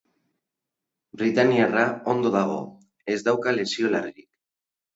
Britainiarra ondo dago, ez dauka lesio larririk.